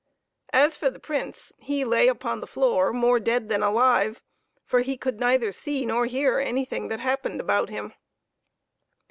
As for the Prince, he lay upon the floor more dead than alive, for he could neither see nor hear anything that happened about him.